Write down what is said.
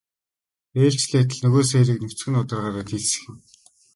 Ээлжлээд л нөгөө сээрийг нүцгэн нударгаараа дэлсэх юм.